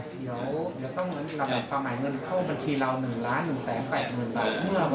เดี๋ยวต้องรอความหมายเงินเข้าบัญชีเรา๑๑๘๐๐๐บาท